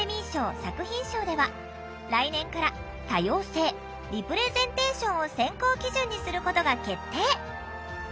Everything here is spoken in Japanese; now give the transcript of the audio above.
作品賞では来年から多様性・リプレゼンテーションを選考基準にすることが決定。